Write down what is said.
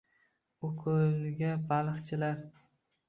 U koʻldagi baliqchilar